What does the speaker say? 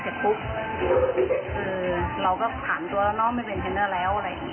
หรอกจะมาตรงนี้